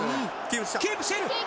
キープしている！